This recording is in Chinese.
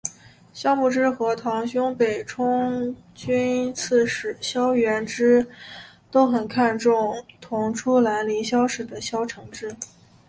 萧摹之和堂兄北兖州刺史萧源之都很看重同出兰陵萧氏的萧承之。